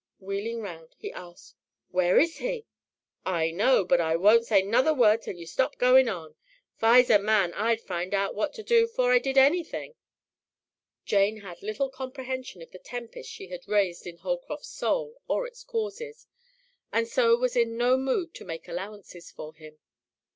Wheeling round, he asked, "Where is he?" "I know, but I won't say 'nuther word till you stop goin' on. 'Fi's a man I'd find out what to do 'fore I did anythin'." Jane had little comprehension of the tempest she had raised in Holcroft's soul or its causes, and so was in no mood to make allowances for him.